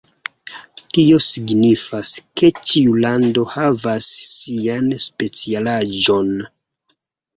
Tio signifas, ke ĉiu lando havas sian specialaĵon.